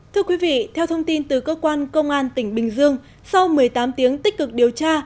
thưa quý vị theo thông tin từ cơ quan công an tỉnh bình dương sau một mươi tám tiếng tích cực điều tra